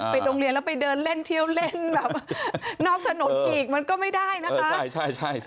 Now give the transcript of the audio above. โรงเรียนแล้วไปเดินเล่นเที่ยวเล่นแบบนอกถนนอีกมันก็ไม่ได้นะคะ